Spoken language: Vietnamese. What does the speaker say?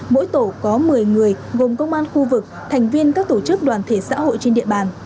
mỗi tổ có một mươi người gồm công an khu vực thành viên các tổ chức đoàn thể xã hội trên địa bàn